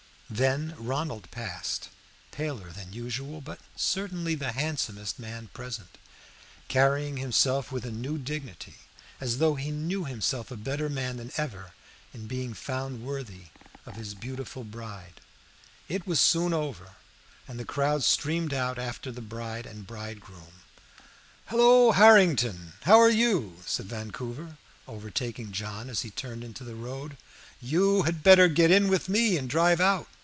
Then Ronald passed, paler than usual, but certainly the handsomest man present, carrying himself with a new dignity, as though he knew himself a better man than ever in being found worthy of his beautiful bride. It was soon over, and the crowd streamed out after the bride and bridegroom. "Hallo, Harrington, how are you?" said Vancouver, overtaking John as he turned into the road. "You had better get in with me and drive out.